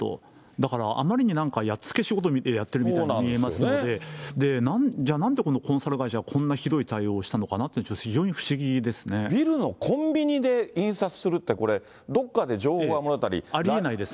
だからあまりになんか、やっつけ仕事でやっているみたいに見えますので、じゃあなんでこのコンサル会社は、こんなひどい対応をしたのかなっビルのコンビニで印刷するって、これ、ありえないです。